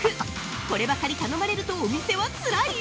こればかり頼まれるとお店は、つらい！？